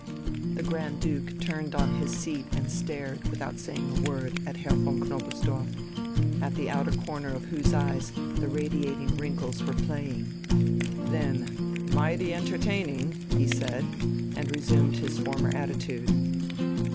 The Grand Duke turned on his seat and stared, without saying a word, at Herr von Knobelsdorff, at the outer corner of whose eyes the radiating wrinkles were playing. Then, "Mighty entertaining!" he said, and resumed his former attitude.